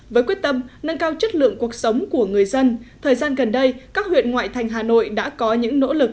với quyết tâm nâng cao chất lượng cuộc sống của người dân thời gian gần đây các huyện ngoại thành hà nội đã có những nỗ lực